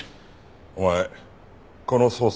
お前この捜査